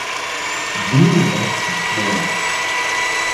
De wo la ci kpo a?